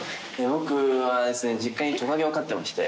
僕は実家にトカゲを飼っていまして。